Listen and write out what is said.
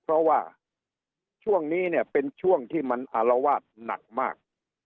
เพราะว่าช่วงนี้เนี่ยเป็นช่วงที่มันอารวาสหนักมาก